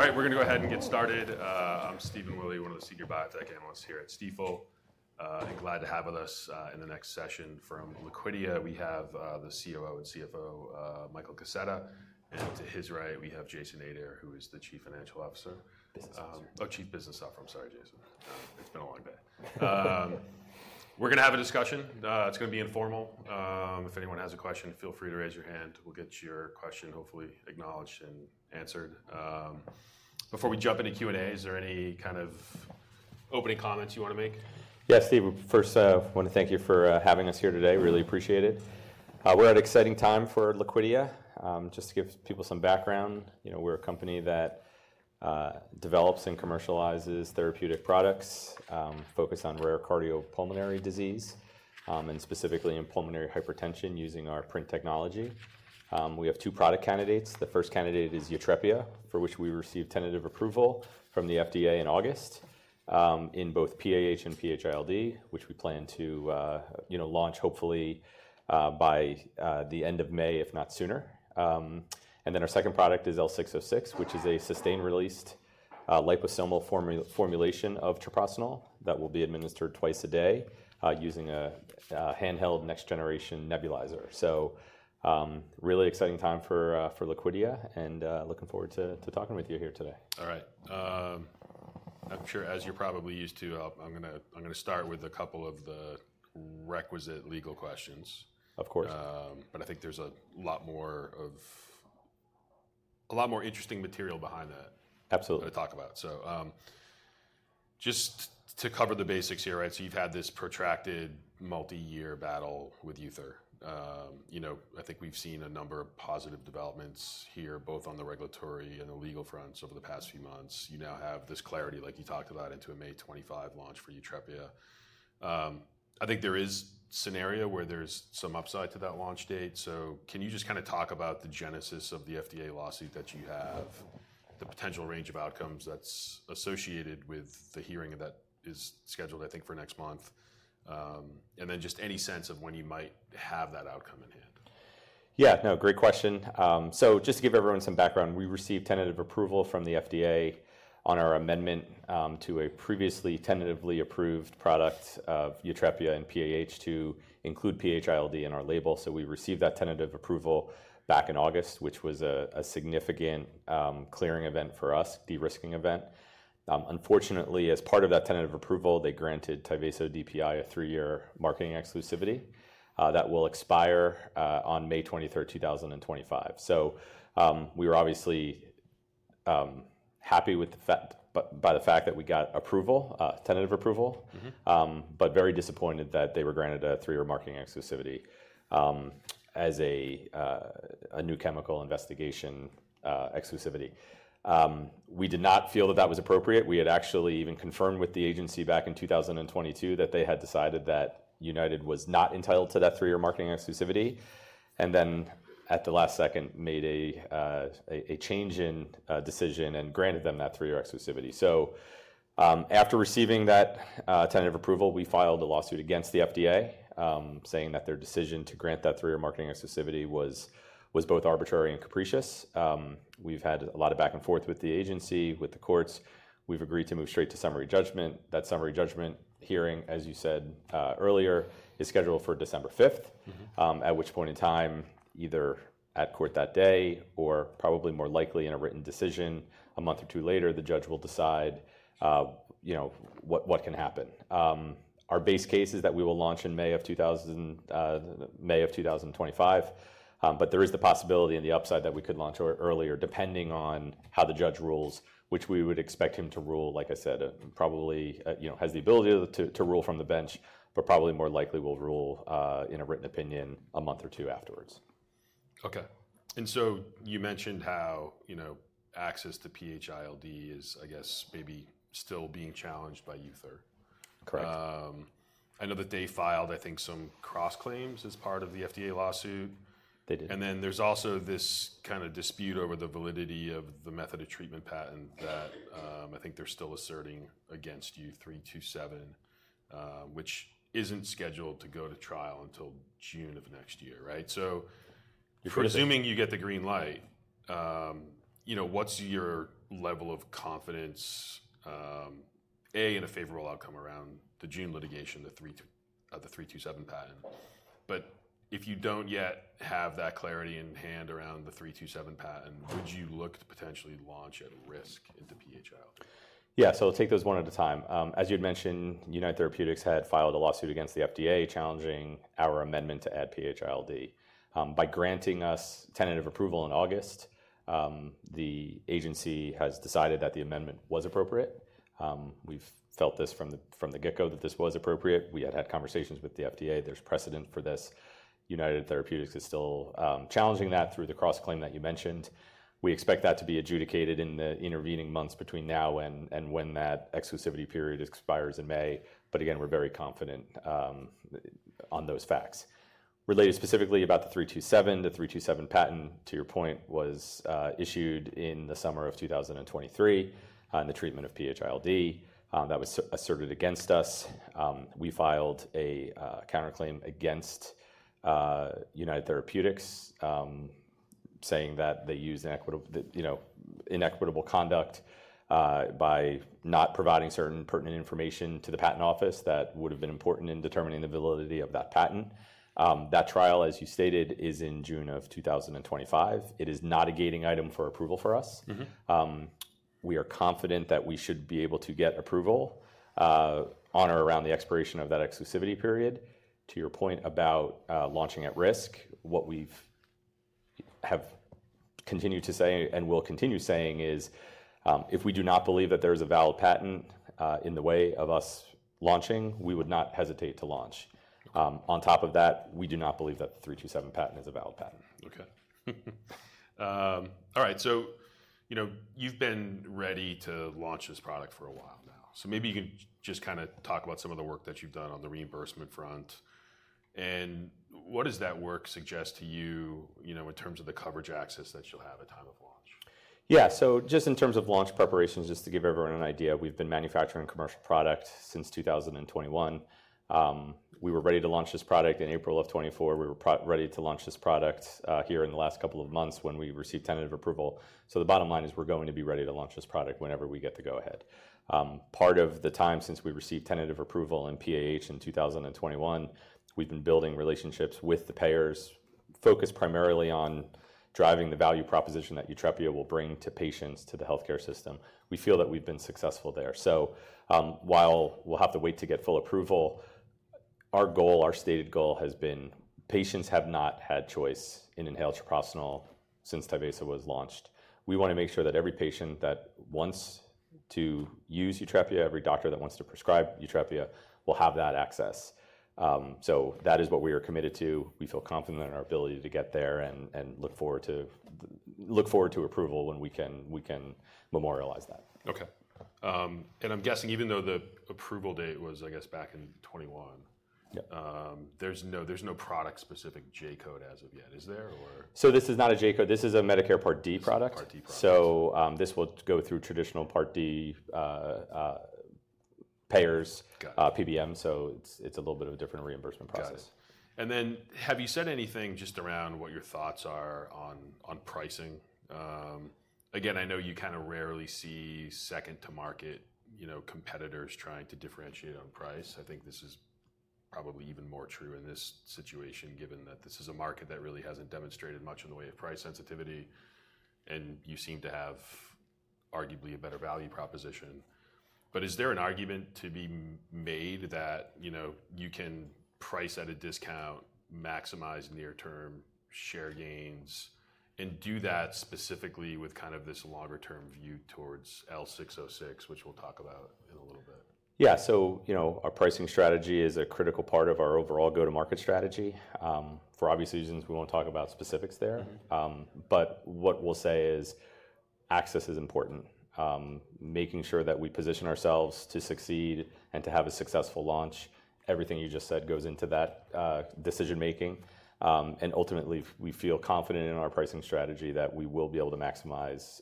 All right, we're going to go ahead and get started. I'm Stephen Willey, one of the senior biotech analysts here at Stifel, and glad to have with us in the next session from Liquidia. We have the COO and CFO, Michael Kaseta, and to his right, we have Jason Adair, who is the Chief Business Officer. Business Officer. Oh, Chief Business Officer. I'm sorry, Jason. It's been a long day. We're going to have a discussion. It's going to be informal. If anyone has a question, feel free to raise your hand. We'll get your question hopefully acknowledged and answered. Before we jump into Q&A, is there any kind of opening comments you want to make? Yeah, Steve, first, I want to thank you for having us here today. Really appreciate it. We're at an exciting time for Liquidia. Just to give people some background, we're a company that develops and commercializes therapeutic products focused on rare cardiopulmonary disease, and specifically in pulmonary hypertension using our PRINT technology. We have two product candidates. The first candidate is Yutrepia, for which we received tentative approval from the FDA in August in both PAH and PH-ILD, which we plan to launch hopefully by the end of May, if not sooner. And then our second product is L606, which is a sustained-release liposomal formulation of treprostinil that will be administered twice a day using a handheld next-generation nebulizer. So really exciting time for Liquidia, and looking forward to talking with you here today. All right. I'm sure, as you're probably used to, I'm going to start with a couple of the requisite legal questions. Of course. But I think there's a lot more interesting material behind that. Absolutely. I'm going to talk about. So just to cover the basics here, right, so you've had this protracted multi-year battle with UTHR. I think we've seen a number of positive developments here, both on the regulatory and the legal fronts over the past few months. You now have this clarity, like you talked about, into a May 2025 launch for Yutrepia. I think there is a scenario where there's some upside to that launch date. So can you just kind of talk about the genesis of the FDA lawsuit that you have, the potential range of outcomes that's associated with the hearing that is scheduled, I think, for next month, and then just any sense of when you might have that outcome in hand? Yeah, no, great question. So just to give everyone some background, we received tentative approval from the FDA on our amendment to a previously tentatively approved product of Yutrepia and PAH to include PH-ILD in our label. So we received that tentative approval back in August, which was a significant clearing event for us, de-risking event. Unfortunately, as part of that tentative approval, they granted Tyvaso DPI a three-year marketing exclusivity that will expire on May 23, 2025. So we were obviously happy by the fact that we got approval, tentative approval, but very disappointed that they were granted a three-year marketing exclusivity as a new chemical entity exclusivity. We did not feel that that was appropriate. We had actually even confirmed with the agency back in 2022 that they had decided that United was not entitled to that three-year marketing exclusivity, and then at the last second made a change in decision and granted them that three-year exclusivity. So after receiving that tentative approval, we filed a lawsuit against the FDA, saying that their decision to grant that three-year marketing exclusivity was both arbitrary and capricious. We've had a lot of back and forth with the agency, with the courts. We've agreed to move straight to summary judgment. That summary judgment hearing, as you said earlier, is scheduled for December 5, at which point in time, either at court that day or probably more likely in a written decision a month or two later, the judge will decide what can happen. Our base case is that we will launch in May of 2025, but there is the possibility and the upside that we could launch earlier depending on how the judge rules, which we would expect him to rule, like I said, probably has the ability to rule from the bench, but probably more likely will rule in a written opinion a month or two afterward. Okay, and so you mentioned how access to PH-ILD is, I guess, maybe still being challenged by Uther. Correct. I know that they filed, I think, some cross-claims as part of the FDA lawsuit. They did. And then there's also this kind of dispute over the validity of the method of treatment patent that I think they're still asserting against you, '327, which isn't scheduled to go to trial until June of next year, right? So presuming you get the green light, what's your level of confidence, A, in a favorable outcome around the June litigation, the '327 patent? But if you don't yet have that clarity in hand around the '327 patent, would you look to potentially launch at risk into PH-ILD? Yeah, so we'll take those one at a time. As you had mentioned, United Therapeutics had filed a lawsuit against the FDA challenging our amendment to add PH-ILD. By granting us tentative approval in August, the agency has decided that the amendment was appropriate. We've felt this from the get-go that this was appropriate. We had had conversations with the FDA. There's precedent for this. United Therapeutics is still challenging that through the cross-claim that you mentioned. We expect that to be adjudicated in the intervening months between now and when that exclusivity period expires in May. But again, we're very confident on those facts. Related specifically about the '327, the '327 patent, to your point, was issued in the summer of 2023 in the treatment of PH-ILD. That was asserted against us. We filed a counterclaim against United Therapeutics, saying that they used inequitable conduct by not providing certain pertinent information to the patent office that would have been important in determining the validity of that patent. That trial, as you stated, is in June of 2025. It is not a gating item for approval for us. We are confident that we should be able to get approval on or around the expiration of that exclusivity period. To your point about launching at risk, what we have continued to say and will continue saying is if we do not believe that there is a valid patent in the way of us launching, we would not hesitate to launch. On top of that, we do not believe that the '327 patent is a valid patent. Okay. All right. So you've been ready to launch this product for a while now. So maybe you can just kind of talk about some of the work that you've done on the reimbursement front. And what does that work suggest to you in terms of the coverage access that you'll have at time of launch? Yeah, so just in terms of launch preparations, just to give everyone an idea, we've been manufacturing commercial product since 2021. We were ready to launch this product in April of 2024. We were ready to launch this product here in the last couple of months when we received tentative approval. So the bottom line is we're going to be ready to launch this product whenever we get the go-ahead. Part of the time since we received tentative approval in PAH in 2021, we've been building relationships with the payers, focused primarily on driving the value proposition that Yutrepia will bring to patients to the healthcare system. We feel that we've been successful there. So while we'll have to wait to get full approval, our goal, our stated goal has been patients have not had choice in inhaled treprostinil since Tyvaso was launched. We want to make sure that every patient that wants to use Yutrepia, every doctor that wants to prescribe Yutrepia, will have that access. So that is what we are committed to. We feel confident in our ability to get there and look forward to approval when we can memorialize that. Okay. And I'm guessing even though the approval date was, I guess, back in 2021, there's no product-specific J-code as of yet, is there, or? This is not a J-code. This is a Medicare Part D product. Part D product. So this will go through traditional Part D payers' PBM, so it's a little bit of a different reimbursement process. Got it. And then have you said anything just around what your thoughts are on pricing? Again, I know you kind of rarely see second-to-market competitors trying to differentiate on price. I think this is probably even more true in this situation, given that this is a market that really hasn't demonstrated much in the way of price sensitivity, and you seem to have arguably a better value proposition. But is there an argument to be made that you can price at a discount, maximize near-term share gains, and do that specifically with kind of this longer-term view towards L606, which we'll talk about in a little bit? Yeah, so our pricing strategy is a critical part of our overall go-to-market strategy. For obvious reasons, we won't talk about specifics there. But what we'll say is access is important. Making sure that we position ourselves to succeed and to have a successful launch, everything you just said goes into that decision-making. And ultimately, we feel confident in our pricing strategy that we will be able to maximize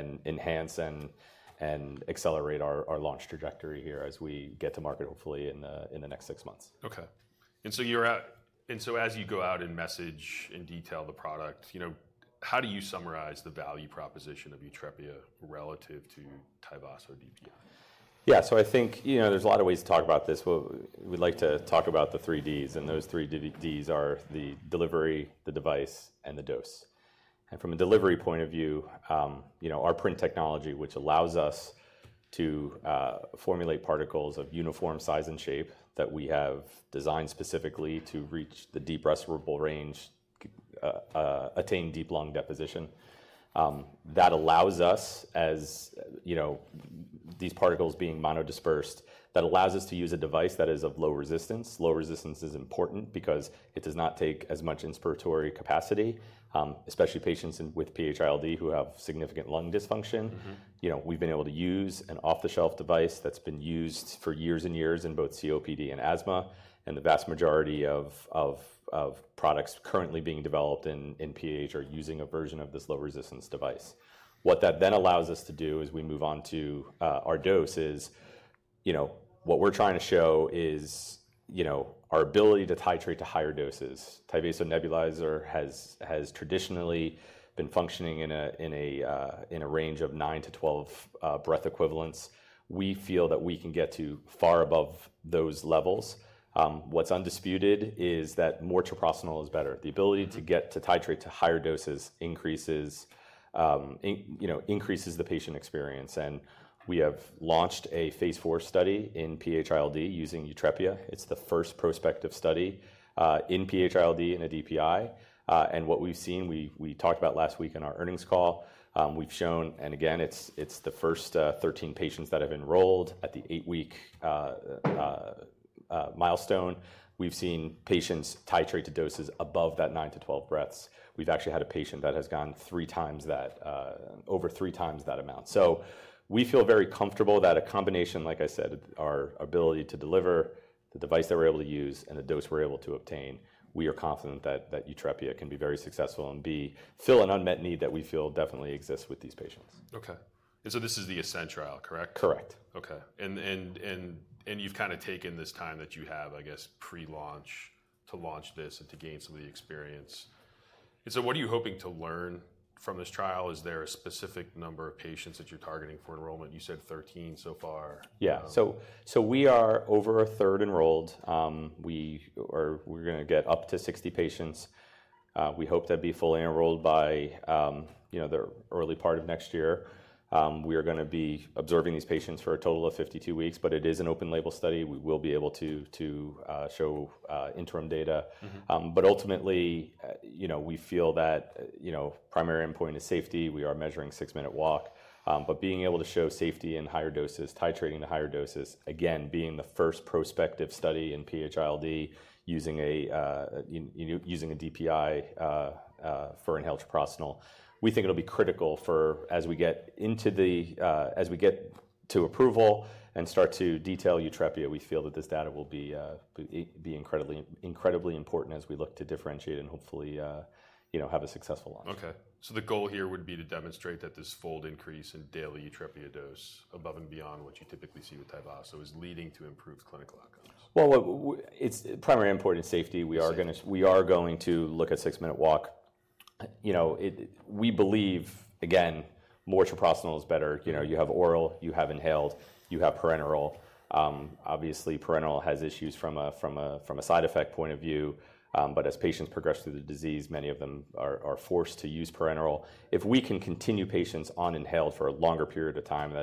and enhance and accelerate our launch trajectory here as we get to market, hopefully, in the next six months. Okay. And so as you go out and message and detail the product, how do you summarize the value proposition of Yutrepia relative to Tyvaso DPI? Yeah, so I think there's a lot of ways to talk about this. We'd like to talk about the three Ds, and those three Ds are the delivery, the device, and the dose. And from a delivery point of view, our PRINT technology, which allows us to formulate particles of uniform size and shape that we have designed specifically to reach the deep respirable range, attain deep lung deposition, that allows us, as these particles being monodispersed, that allows us to use a device that is of low resistance. Low resistance is important because it does not take as much inspiratory capacity, especially patients with PH-ILD who have significant lung dysfunction. We've been able to use an off-the-shelf device that's been used for years and years in both COPD and asthma. And the vast majority of products currently being developed in PAH are using a version of this low-resistance device. What that then allows us to do as we move on to our dose is what we're trying to show is our ability to titrate to higher doses. Tyvaso Nebulizer has traditionally been functioning in a range of nine to 12 breath equivalents. We feel that we can get to far above those levels. What's undisputed is that more treprostinil is better. The ability to get to titrate to higher doses increases the patient experience. And we have launched a phase IV study in PH-ILD using Yutrepia. It's the first prospective study in PH-ILD in a DPI. And what we've seen, we talked about last week in our earnings call, we've shown, and again, it's the first 13 patients that have enrolled at the eight-week milestone. We've seen patients titrate to doses above that nine to 12 breaths. We've actually had a patient that has gone three times that, over three times that amount. So we feel very comfortable that a combination, like I said, our ability to deliver the device that we're able to use and the dose we're able to obtain, we are confident that Yutrepia can be very successful and fill an unmet need that we feel definitely exists with these patients. Okay. And so this is the ASCENT trial, correct? Correct. Okay. And you've kind of taken this time that you have, I guess, pre-launch to launch this and to gain some of the experience. And so what are you hoping to learn from this trial? Is there a specific number of patients that you're targeting for enrollment? You said 13 so far. Yeah. So we are over a third enrolled. We're going to get up to 60 patients. We hope to be fully enrolled by the early part of next year. We are going to be observing these patients for a total of 52 weeks, but it is an open-label study. We will be able to show interim data. But ultimately, we feel that primary endpoint is safety. We are measuring six-minute walk. But being able to show safety in higher doses, titrating to higher doses, again, being the first prospective study in PH-ILD using a DPI for inhaled treprostinil, we think it'll be critical for as we get into the as we get to approval and start to detail Yutrepia, we feel that this data will be incredibly important as we look to differentiate and hopefully have a successful launch. Okay. So the goal here would be to demonstrate that this fold increase in daily Yutrepia dose above and beyond what you typically see with Tyvaso is leading to improved clinical outcomes. Its primary endpoint is safety. We are going to look at six-minute walk. We believe, again, more treprostinil is better. You have oral, you have inhaled, you have parenteral. Obviously, parenteral has issues from a side effect point of view. But as patients progress through the disease, many of them are forced to use parenteral. If we can continue patients on inhaled for a longer period of time,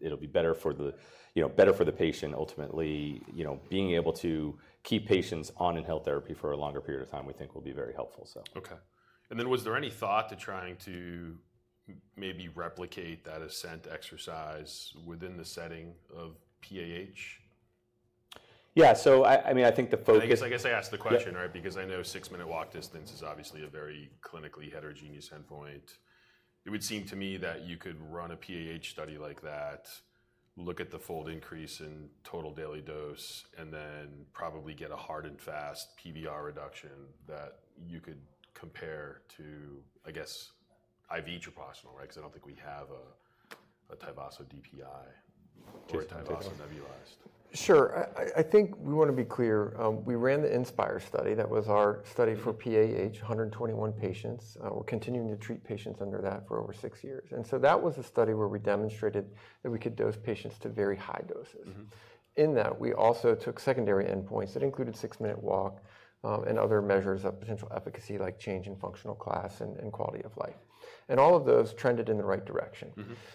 it'll be better for the patient. Ultimately, being able to keep patients on inhaled therapy for a longer period of time, we think will be very helpful, so. Okay. And then was there any thought to trying to maybe replicate that Ascent exercise within the setting of PAH? Yeah. So I mean, I think the focus. I guess I asked the question, right? Because I know six-minute walk distance is obviously a very clinically heterogeneous endpoint. It would seem to me that you could run a PAH study like that, look at the fold increase in total daily dose, and then probably get a hard and fast PVR reduction that you could compare to, I guess, IV treprostinil, right? Because I don't think we have a Tyvaso DPI or a Tyvaso nebulized. Sure. I think we want to be clear. We ran the INSPIRE study. That was our study for PAH, 121 patients. We're continuing to treat patients under that for over six years. And so that was a study where we demonstrated that we could dose patients to very high doses. In that, we also took secondary endpoints that included six-minute walk and other measures of potential efficacy, like change in functional class and quality of life. And all of those trended in the right direction.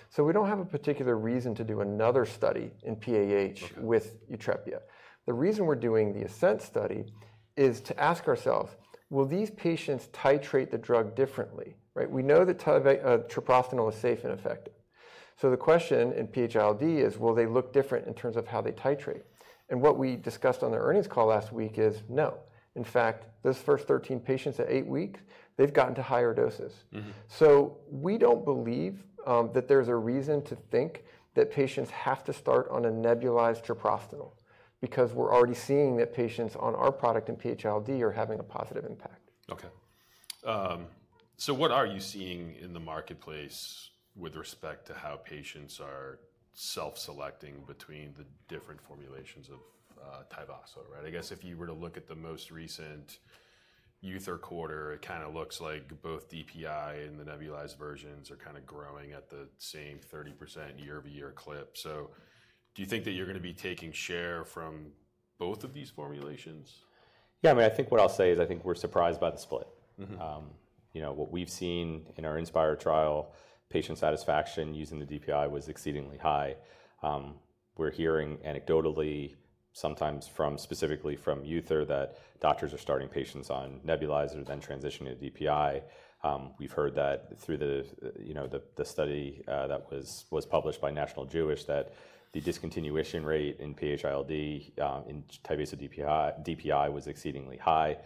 So we don't have a particular reason to do another study in PAH with Yutrepia. The reason we're doing the Ascent study is to ask ourselves, will these patients titrate the drug differently, right? We know that treprostinil is safe and effective. So the question in PH-ILD is, will they look different in terms of how they titrate? What we discussed on the earnings call last week is no. In fact, those first 13 patients at eight weeks, they've gotten to higher doses. We don't believe that there's a reason to think that patients have to start on a nebulized treprostinil because we're already seeing that patients on our product in PH-ILD are having a positive impact. Okay. So what are you seeing in the marketplace with respect to how patients are self-selecting between the different formulations of Tyvaso, right? I guess if you were to look at the most recent Uther quarter, it kind of looks like both DPI and the nebulized versions are kind of growing at the same 30% year-over-year clip. So do you think that you're going to be taking share from both of these formulations? Yeah. I mean, I think what I'll say is I think we're surprised by the split. What we've seen in our Inspire trial, patient satisfaction using the DPI was exceedingly high. We're hearing anecdotally, sometimes specifically from Uther, that doctors are starting patients on nebulizer, then transitioning to DPI. We've heard that through the study that was published by National Jewish that the discontinuation rate in PH-ILD in Tyvaso DPI was exceedingly high.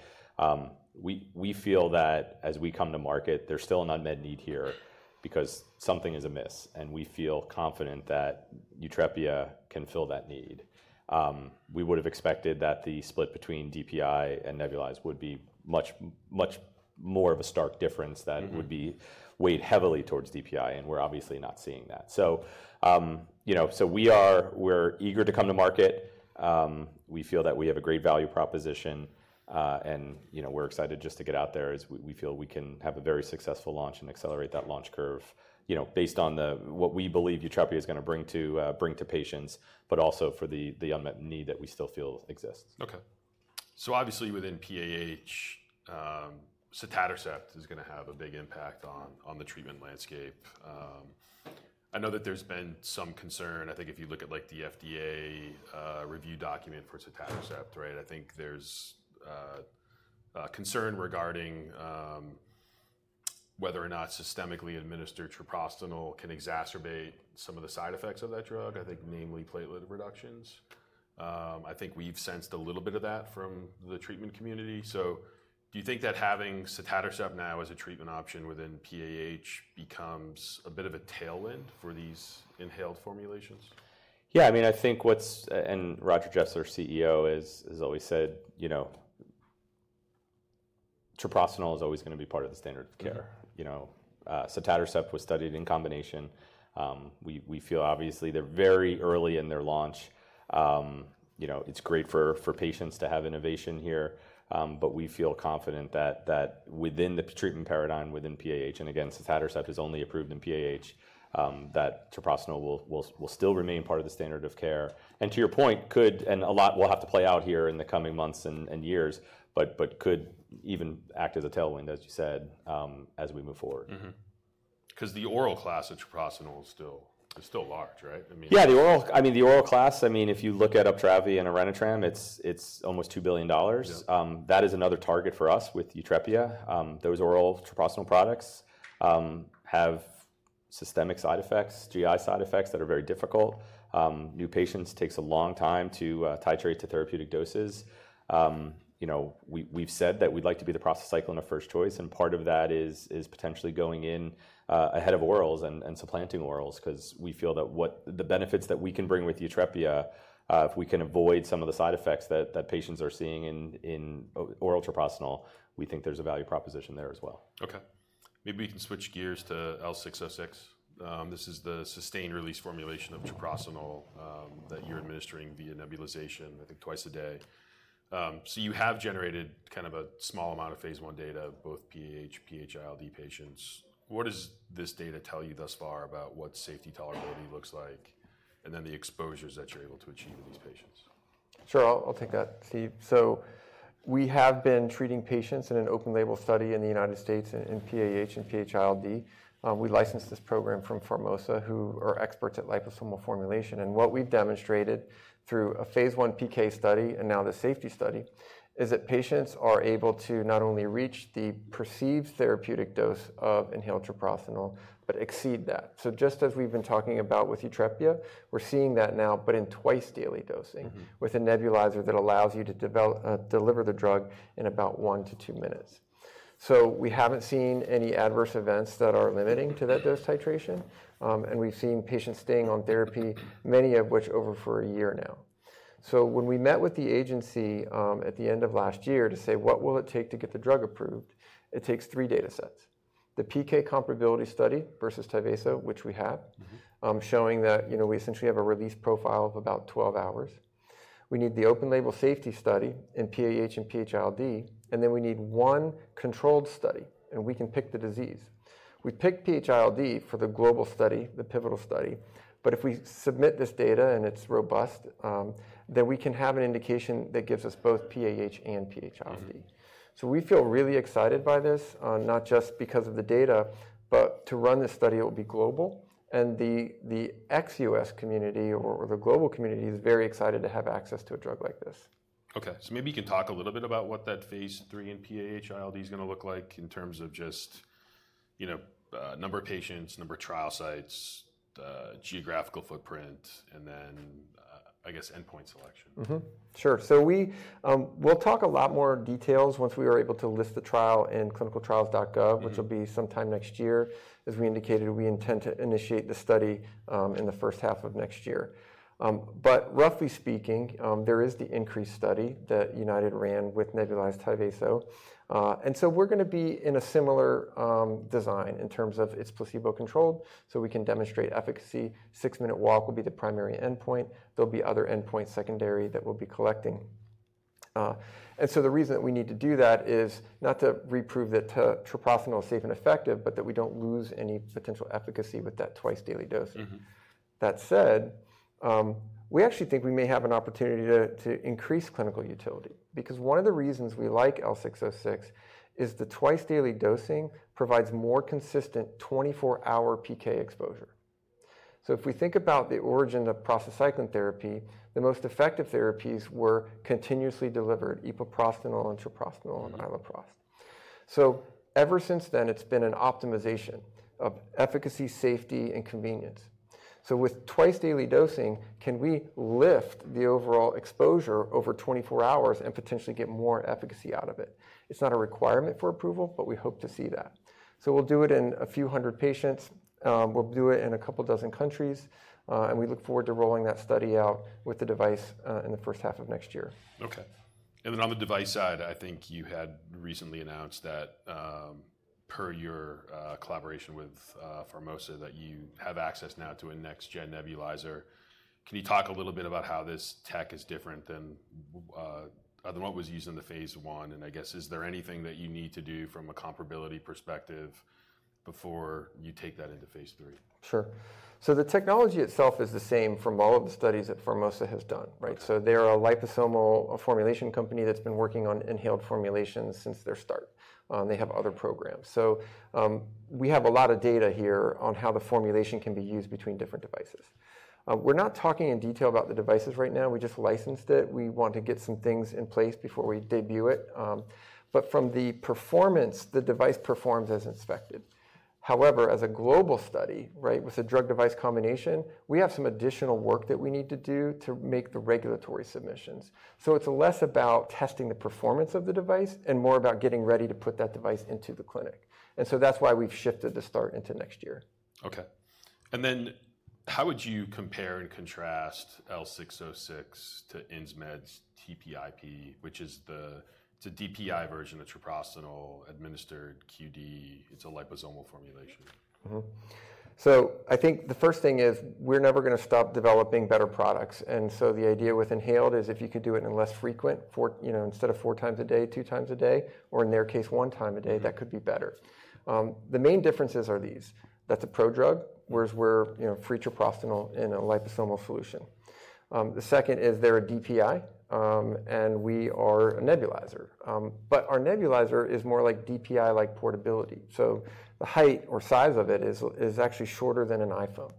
We feel that as we come to market, there's still an unmet need here because something is amiss. And we feel confident that Yutrepia can fill that need. We would have expected that the split between DPI and nebulized would be much more of a stark difference that would weigh heavily towards DPI. And we're obviously not seeing that. So we're eager to come to market. We feel that we have a great value proposition. We're excited just to get out there as we feel we can have a very successful launch and accelerate that launch curve based on what we believe Yutrepia is going to bring to patients, but also for the unmet need that we still feel exists. Okay. So obviously within PAH, sotatercept is going to have a big impact on the treatment landscape. I know that there's been some concern. I think if you look at the FDA review document for sotatercept, right, I think there's concern regarding whether or not systemically administered treprostinil can exacerbate some of the side effects of that drug, I think namely platelet reductions. I think we've sensed a little bit of that from the treatment community. So do you think that having sotatercept now as a treatment option within PAH becomes a bit of a tailwind for these inhaled formulations? Yeah. I mean, I think, as Roger Jeffs, CEO, has always said treprostinil is always going to be part of the standard of care. Sotatercept was studied in combination. We feel obviously they're very early in their launch. It's great for patients to have innovation here. But we feel confident that within the treatment paradigm within PAH, and again, sotatercept is only approved in PAH, that treprostinil will still remain part of the standard of care. And to your point, could, and a lot will have to play out here in the coming months and years, but could even act as a tailwind, as you said, as we move forward. Because the oral class of treprostinil is still large, right? I mean. Yeah. I mean, the oral class. I mean, if you look at Uptravi and Orenitram, it's almost $2 billion. That is another target for us with Yutrepia. Those oral treprostinil products have systemic side effects, GI side effects that are very difficult. New patients take a long time to titrate to therapeutic doses. We've said that we'd like to be the prostacyclin and a first choice. Part of that is potentially going in ahead of orals and supplanting orals because we feel that the benefits that we can bring with Yutrepia, if we can avoid some of the side effects that patients are seeing in oral treprostinil, we think there's a value proposition there as well. Okay. Maybe we can switch gears to L606. This is the sustained-release formulation of treprostinil that you're administering via nebulization, I think twice a day. So you have generated kind of a small amount of phase I data, both PAH, PH-ILD patients. What does this data tell you thus far about what safety tolerability looks like and then the exposures that you're able to achieve in these patients? Sure. I'll take that. So we have been treating patients in an open-label study in the United States in PAH and PH-ILD. We licensed this program from Formosa, who are experts at liposomal formulation. And what we've demonstrated through a phase I PK study and now the safety study is that patients are able to not only reach the perceived therapeutic dose of inhaled treprostinil, but exceed that. So just as we've been talking about with Yutrepia, we're seeing that now, but in twice-daily dosing with a nebulizer that allows you to deliver the drug in about one to two minutes. So we haven't seen any adverse events that are limiting to that dose titration. And we've seen patients staying on therapy, many of which over for a year now. So when we met with the agency at the end of last year to say, what will it take to get the drug approved, it takes three data sets: the PK comparability study versus Tyvaso, which we have, showing that we essentially have a release profile of about 12 hours. We need the open-label safety study in PAH and PH-ILD, and then we need one controlled study, and we can pick the disease. We picked PH-ILD for the global study, the pivotal study. But if we submit this data and it's robust, then we can have an indication that gives us both PAH and PH-ILD. So we feel really excited by this, not just because of the data, but to run this study, it will be global. And the ex-US community or the global community is very excited to have access to a drug like this. Okay, so maybe you can talk a little bit about what that phase III in PAH ILD is going to look like in terms of just number of patients, number of trial sites, geographical footprint, and then, I guess, endpoint selection? Sure. So we'll talk a lot more details once we are able to list the trial in clinicaltrials.gov, which will be sometime next year. As we indicated, we intend to initiate the study in the first half of next year, but roughly speaking, there is the INCREASE study that United ran with nebulized Tyvaso, and so we're going to be in a similar design in terms of it's placebo-controlled. So we can demonstrate efficacy. Six-minute walk will be the primary endpoint. There'll be other endpoints secondary that we'll be collecting, and so the reason that we need to do that is not to reprove that treprostinil is safe and effective, but that we don't lose any potential efficacy with that twice-daily dosing. That said, we actually think we may have an opportunity to increase clinical utility because one of the reasons we like L606 is the twice-daily dosing provides more consistent 24-hour PK exposure. So if we think about the origin of prostacyclin therapy, the most effective therapies were continuously delivered epoprostenol and treprostinil and iloprost. So ever since then, it's been an optimization of efficacy, safety, and convenience. So with twice-daily dosing, can we lift the overall exposure over 24 hours and potentially get more efficacy out of it? It's not a requirement for approval, but we hope to see that. So we'll do it in a few hundred patients. We'll do it in a couple dozen countries. And we look forward to rolling that study out with the device in the first half of next year. Okay. And then on the device side, I think you had recently announced that per your collaboration with Formosa, that you have access now to a next-gen nebulizer. Can you talk a little bit about how this tech is different than what was used in the phase I? And I guess, is there anything that you need to do from a comparability perspective before you take that into phase III? Sure. So the technology itself is the same from all of the studies that Formosa has done, right? So they're a liposomal formulation company that's been working on inhaled formulations since their start. They have other programs. So we have a lot of data here on how the formulation can be used between different devices. We're not talking in detail about the devices right now. We just licensed it. We want to get some things in place before we debut it. But from the performance, the device performs as expected. However, as a global study, right, with a drug-device combination, we have some additional work that we need to do to make the regulatory submissions. So it's less about testing the performance of the device and more about getting ready to put that device into the clinic. And so that's why we've shifted the start into next year. Okay. And then how would you compare and contrast L606 to Insmed's TPIP, which is the DPI version of treprostinil administered QD? It's a liposomal formulation. So I think the first thing is we're never going to stop developing better products. And so the idea with inhaled is if you could do it in less frequent, instead of four times a day, two times a day, or in their case, one time a day, that could be better. The main differences are these. That's a pro drug, whereas we're free treprostinil in a liposomal solution. The second is they're a DPI, and we are a nebulizer. But our nebulizer is more like DPI-like portability. So the height or size of it is actually shorter than an iPhone.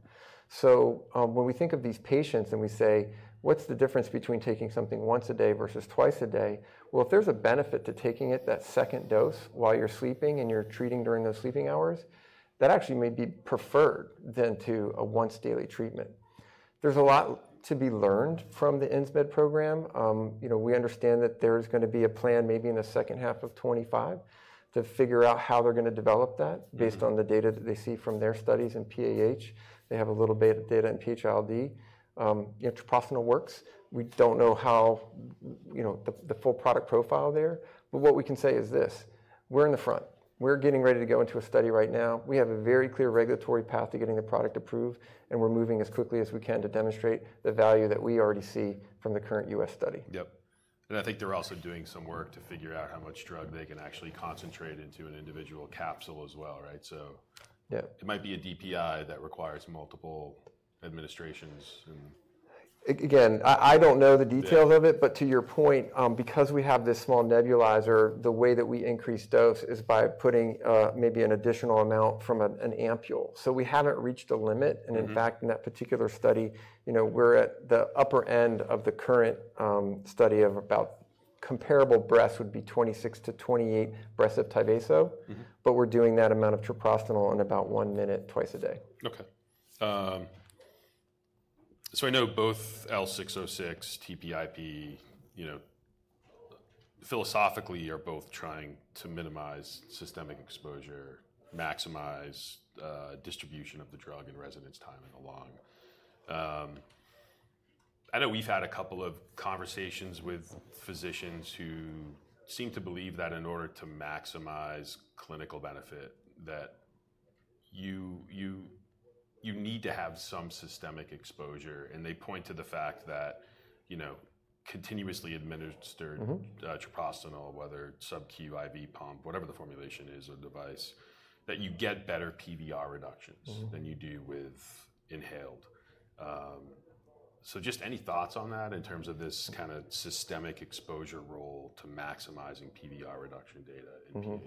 So when we think of these patients and we say, what's the difference between taking something once a day versus twice a day? If there's a benefit to taking it, that second dose while you're sleeping and you're treating during those sleeping hours, that actually may be preferred than to a once-daily treatment. There's a lot to be learned from the Insmed program. We understand that there's going to be a plan maybe in the second half of 2025 to figure out how they're going to develop that based on the data that they see from their studies in PAH. They have a little bit of data in PH-ILD. Treprostinil works. We don't know the full product profile there. But what we can say is this: we're in the front. We're getting ready to go into a study right now. We have a very clear regulatory path to getting the product approved. We're moving as quickly as we can to demonstrate the value that we already see from the current U.S. study. Yep. And I think they're also doing some work to figure out how much drug they can actually concentrate into an individual capsule as well, right? So it might be a DPI that requires multiple administrations. Again, I don't know the details of it. But to your point, because we have this small nebulizer, the way that we increase dose is by putting maybe an additional amount from an ampule. So we haven't reached the limit. And in fact, in that particular study, we're at the upper end of the current study of about comparable breaths would be 26 to 28 breaths of Tyvaso. But we're doing that amount of treprostinil in about one minute twice a day. Okay. So I know both L606, TPIP, philosophically are both trying to minimize systemic exposure, maximize distribution of the drug and residence time in the lung. I know we've had a couple of conversations with physicians who seem to believe that in order to maximize clinical benefit, that you need to have some systemic exposure. And they point to the fact that continuously administered treprostinil, whether sub-Q or IV pump, whatever the formulation is or device, that you get better PVR reductions than you do with inhaled. So just any thoughts on that in terms of this kind of systemic exposure role to maximizing PVR reduction data in PAH?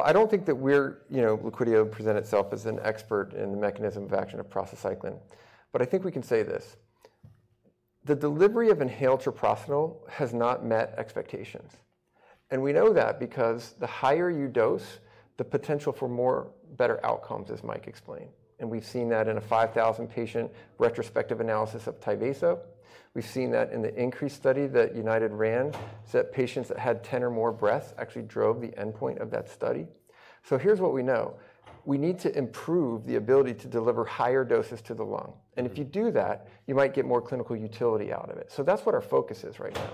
I don't think that Liquidia presented itself as an expert in the mechanism of action of prostacyclin. But I think we can say this: the delivery of inhaled treprostinil has not met expectations. And we know that because the higher you dose, the potential for better outcomes, as Mike explained. And we've seen that in a 5,000-patient retrospective analysis of Tyvaso. We've seen that in the INSPIRE study that United ran that patients that had 10 or more breaths actually drove the endpoint of that study. So here's what we know. We need to improve the ability to deliver higher doses to the lung. And if you do that, you might get more clinical utility out of it. So that's what our focus is right now: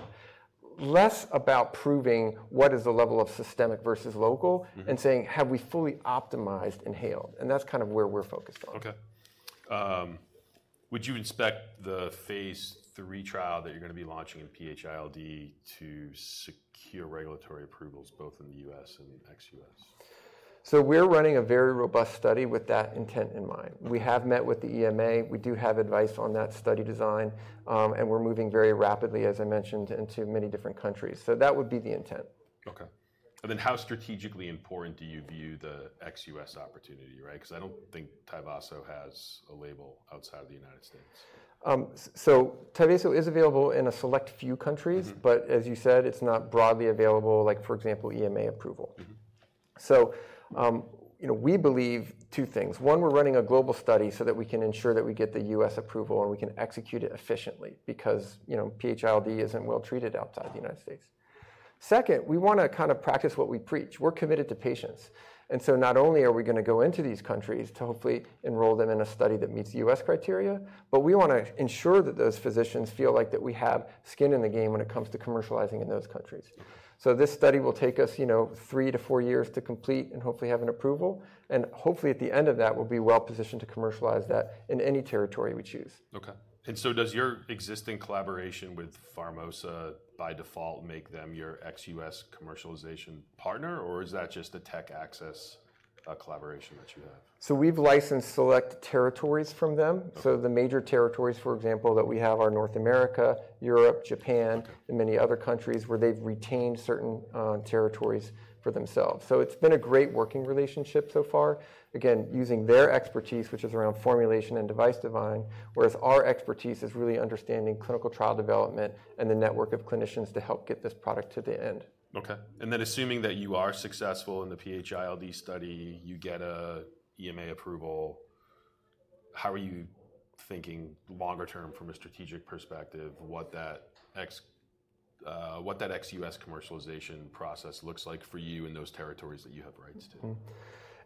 less about proving what is the level of systemic versus local and saying, have we fully optimized inhaled. That's kind of where we're focused on. Okay. Would you inspect the phase III trial that you're going to be launching in PH-ILD to secure regulatory approvals both in the U.S. and ex-U.S.? We're running a very robust study with that intent in mind. We have met with the EMA. We do have advice on that study design. We're moving very rapidly, as I mentioned, into many different countries. That would be the intent. Okay. And then how strategically important do you view the ex-U.S. opportunity, right? Because I don't think Tyvaso has a label outside of the United States. Tyvaso is available in a select few countries. But as you said, it's not broadly available, like for example, EMA approval. So we believe two things. One, we're running a global study so that we can ensure that we get the U.S. approval and we can execute it efficiently because PH-ILD isn't well treated outside the United States. Second, we want to kind of practice what we preach. We're committed to patients. And so not only are we going to go into these countries to hopefully enroll them in a study that meets U.S. criteria, but we want to ensure that those physicians feel like that we have skin in the game when it comes to commercializing in those countries. So this study will take us three to four years to complete and hopefully have an approval. Hopefully at the end of that, we'll be well positioned to commercialize that in any territory we choose. Okay. And so does your existing collaboration with Formosa by default make them your ex-US commercialization partner, or is that just a tech access collaboration that you have? So we've licensed select territories from them. So the major territories, for example, that we have are North America, Europe, Japan, and many other countries where they've retained certain territories for themselves. So it's been a great working relationship so far, again, using their expertise, which is around formulation and device design, whereas our expertise is really understanding clinical trial development and the network of clinicians to help get this product to the end. Okay, and then assuming that you are successful in the PH-ILD study, you get an EMA approval, how are you thinking longer term from a strategic perspective what that ex-U.S. commercialization process looks like for you in those territories that you have rights to?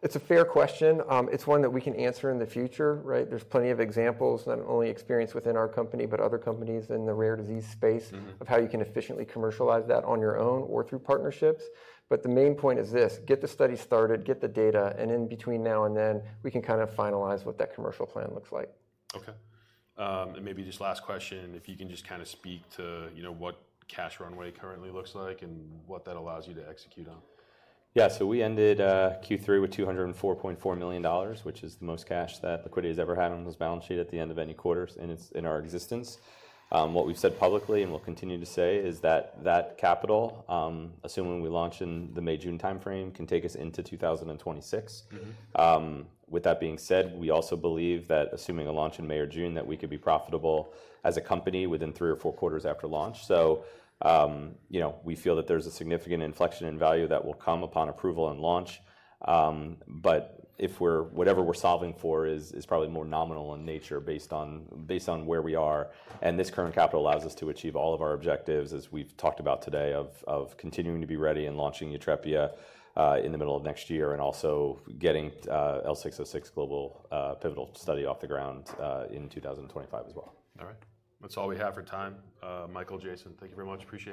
It's a fair question. It's one that we can answer in the future, right? There's plenty of examples, not only experience within our company, but other companies in the rare disease space of how you can efficiently commercialize that on your own or through partnerships. But the main point is this: get the study started, get the data, and in between now and then, we can kind of finalize what that commercial plan looks like. Okay, and maybe just last question, if you can just kind of speak to what cash runway currently looks like and what that allows you to execute on. Yeah. So we ended Q3 with $204.4 million, which is the most cash that Liquidia has ever had on its balance sheet at the end of any quarter in our existence. What we've said publicly and we'll continue to say is that that capital, assuming we launch in the May-June timeframe, can take us into 2026. With that being said, we also believe that assuming a launch in May or June, that we could be profitable as a company within three or four quarters after launch. So we feel that there's a significant inflection in value that will come upon approval and launch. But whatever we're solving for is probably more nominal in nature based on where we are. This current capital allows us to achieve all of our objectives, as we've talked about today, of continuing to be ready and launching Yutrepia in the middle of next year and also getting L606 Global Pivotal Study off the ground in 2025 as well. All right. That's all we have for time. Michael, Jason, thank you very much. Appreciate it.